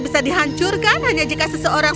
bisa dihancurkan hanya jika seseorang